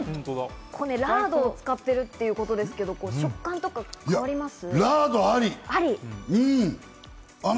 ラードを使っているってことですが、食感とか変わります？